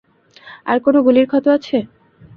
আর কোনো গুলির ক্ষত আছে?